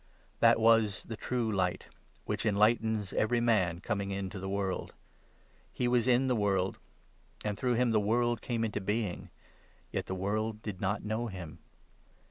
That was the True Light which enlightens every man coming 9 into the world. He was in the world ; 10 And through him the world came into being — Yet the world did not know him.